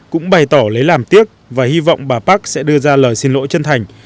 cũng bày tỏ lấy làm tiếc và hy vọng bà park sẽ đưa ra lời xin lỗi chân thành